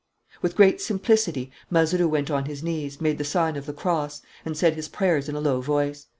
With great simplicity, Mazeroux went on his knees, made the sign of the cross, and said his prayers in a low voice.